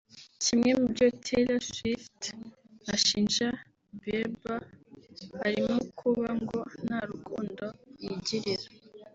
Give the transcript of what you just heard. Kimwe mu byo Taylor Swift ashinja Bieber harimo kuba ngo nta rukundo yigirira